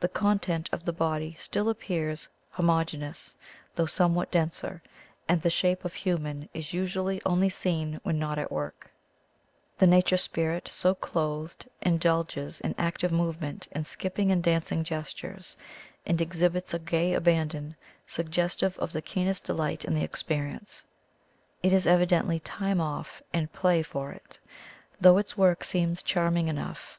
The content of the body still appears homogeneous, though somewhat denser, and the shape of 'human' is usually only seen when not at work. The 177 THE COMING OF THE FAIRIES nature spirit so clothed indulges in active movement in skipping and dancing gestures and exhibits a gay abandon suggestive of the keenest delight in the exi^erience. It is evi dently 'time o:ff' and play for it, though its work seems charming enough.